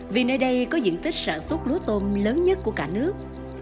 vì nơi đây có diện tích sản xuất lúa tôm lớn nhất của cả nước